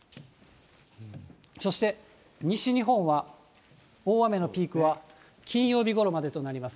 そして西日本は大雨のピークは金曜日ごろまでとなります。